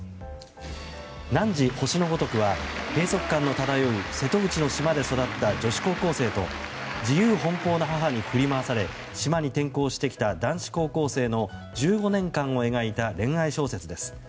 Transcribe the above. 「汝、星のごとく」は閉塞感の漂う瀬戸内の島で育った女子高校生と自由奔放な母に振り回され島に転校してきた男子高校生の１５年間を描いた恋愛小説です。